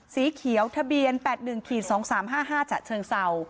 สีเขียวทะเบียน๘๑๒๓๕๕ฉะเชิงเศร้า